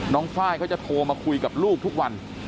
ไฟล์เขาจะโทรมาคุยกับลูกทุกวัน